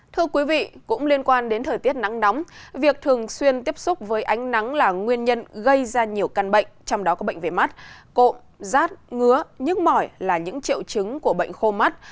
thưa quý vị cũng liên quan đến thời tiết nắng nóng việc thường xuyên tiếp xúc với ánh nắng là nguyên nhân gây ra nhiều căn bệnh trong đó có bệnh về mắt cộm rát ngứa nhức mỏi là những triệu chứng của bệnh khô mắt